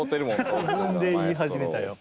自分で言い始めたよ。